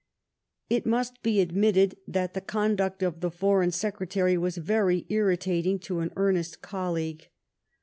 It must be admitted that the conduct of the Foreign Secretary was very irritating to an earnest colleague.